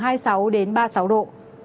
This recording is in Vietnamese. hãy đăng ký kênh để ủng hộ kênh mình nhé